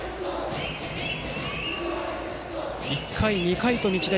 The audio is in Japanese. １回、２回と日大